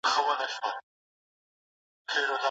د ونو سیوری ډېر یخ دی.